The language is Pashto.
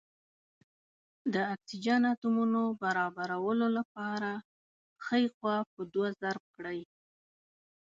د اکسیجن اتومونو برابرولو لپاره ښۍ خوا په دوه ضرب کړئ.